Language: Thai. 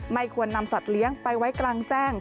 ควรนำสัตว์เลี้ยงไปไว้กลางแจ้ง